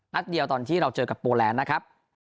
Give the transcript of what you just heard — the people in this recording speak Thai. นัดเดียวตอนที่เราเจอกับโปแลนด์นะครับ